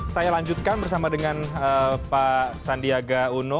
saya lanjutkan bersama dengan pak sandiaga uno